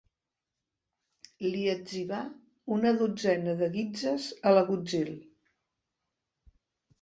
Li etzibà una dotzena de guitzes a l'agutzil.